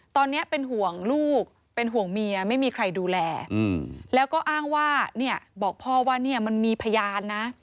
ตอนนี้เป็นห่วงลูกเป็นห่วงเมียไม่มีใครดูแลแล้วก็อ้างว่าเนี่ยบอกพ่อว่าเนี่ยมันมีพยานนะ